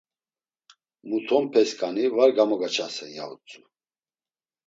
Mutonpesǩani var gamogaçasen, ya utzu.